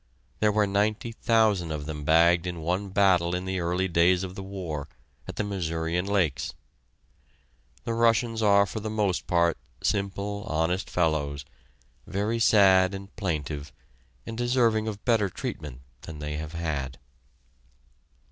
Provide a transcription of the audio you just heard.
There were ninety thousand of them bagged in one battle in the early days of the war, at the Mazurian Lakes! The Russians are for the most part simple, honest fellows, very sad and plaintive, and deserving of better treatment than they have had.